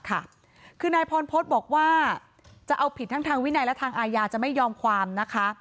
คือนายพรพฤษบอกว่าจะเอาผิดทั้งทางวินัยและทางอาญาจะไม่ยอมความนะคะ